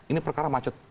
ini perkara macet